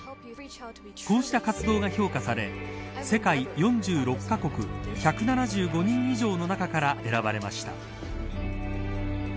こうした活動が評価され世界４６カ国１７５人以上の中から選ばれました。